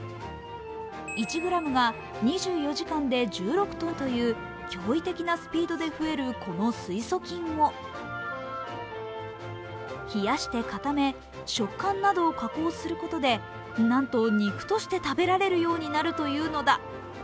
１ｇが２４時間で１６ｔという驚異的なスピードで増えるこの水素菌を冷やして固め食感などを加工することでなんと肉として食べられるようになるのだ。